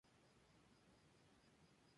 Está enterrado en Santa Anna della Misericordia.